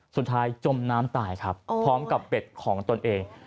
สุดท้ายจมน้ำตายพร้อมกับเบ็ดของตนเอง